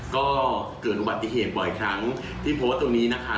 ก็เกิดอุบัติเหตุบ่อยครั้งที่โพสต์ตรงนี้นะคะ